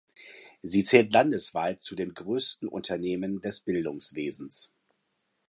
Sie zählt landesweit zu den grössten Unternehmen des Bildungswesens.